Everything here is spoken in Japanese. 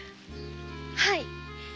はい。